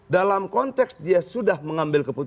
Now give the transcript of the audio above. dalam konteks dia sudah mengambil keputusan